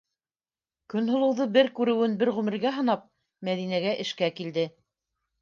Көнһылыуҙы бер күреүен бер ғүмергә һанап, Мәҙинәгә эшкә килде.